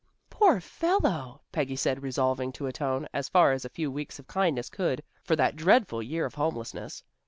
"Poor fellow," Peggy said, resolving to atone, as far as a few weeks of kindness could, for that dreadful year of homelessness.